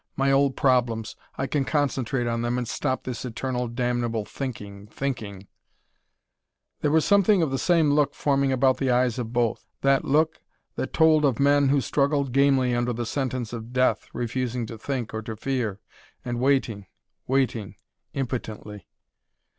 My old problems I can concentrate on them, and stop this eternal, damnable thinking, thinking " There was something of the same look forming about the eyes of both that look that told of men who struggled gamely under the sentence of death, refusing to think or to fear, and waiting, waiting, impotently.